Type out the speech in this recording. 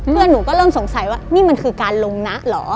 เพื่อนหนูก็เริ่มสงสัยว่านี่มันคือการลงนะเหรอ